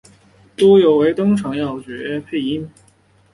都有为登场要角配音。